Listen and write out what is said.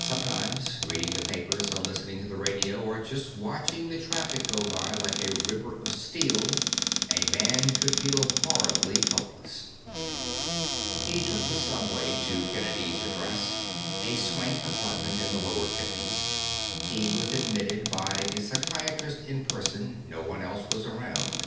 Sometimes reading the papers, or listening to the radio, or just watching the traffic go by like a river of steel a man could feel horribly helpless. He took the subway to Kennedy's address, a swank apartment in the lower Fifties. He was admitted by the psychiatrist in person; no one else was around.